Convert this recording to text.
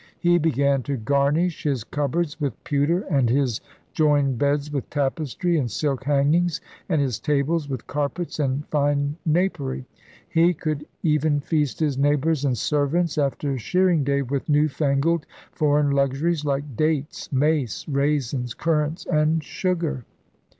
He began to * garnish his cupboards with pewter and his joined beds with tapestry and silk hangings, and his tables with carpets and fine napery.' He could even feast his neighbors and servants after shearing day with new fangled foreign luxuries like dates, mace, raisins, currants, and sugar.